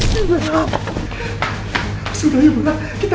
bagaimana resources yang kita tensikal